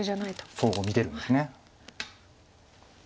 そう見てるんです。